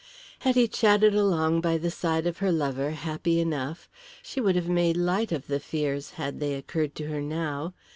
Hetty chatted along by the side of her lover happy enough. She would have made light of the fears had they occurred to her now.